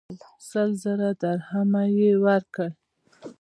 سل زره درهمه یې ورکړل.